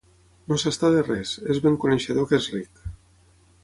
No s'està de res: és ben coneixedor que és ric.